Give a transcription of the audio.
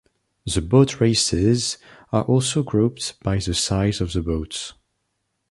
The boat races are also grouped by the size of the boats.